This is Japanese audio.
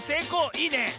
いいね。